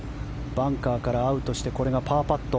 バンカーからアウトしてこれがパーパット。